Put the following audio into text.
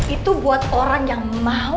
itu buat orang yang mau